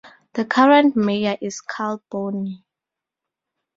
The current mayor is Karl Bonny.